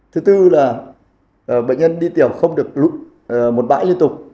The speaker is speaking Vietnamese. thứ tư là bệnh nhân đi tiểu không được một bãi liên tục